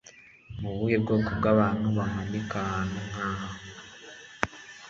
Ni ubuhe bwoko bw'abantu bamanika ahantu nkaha?